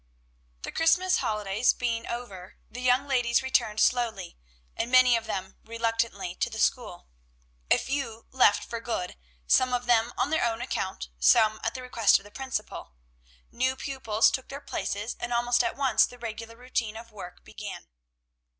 The Christmas holidays being over, the young ladies returned slowly, and many of them reluctantly, to the school. A few left for good; some of them on their own account, some at the request of the principal. New pupils took their places, and almost at once the regular routine of work began.